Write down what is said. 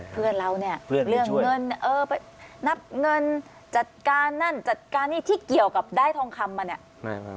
เพื่อนเราเนี่ยเรื่องเงินเออไปนับเงินจัดการนั่นจัดการนี่ที่เกี่ยวกับได้ทองคำมาเนี่ย